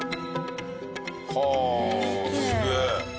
はあすげえ。